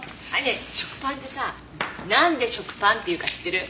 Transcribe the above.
食パンってさなんで食パンっていうか知ってる？